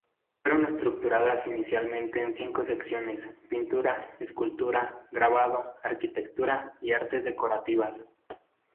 Fueron estructuradas inicialmente en cinco Secciones: Pintura, Escultura, Grabado, Arquitectura y Artes decorativas.